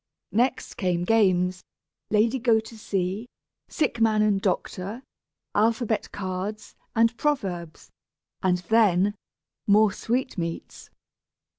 Next came games; "Lady go to see," "Sick man and doctor," Alphabet cards, and Proverbs; and then, more sweetmeats.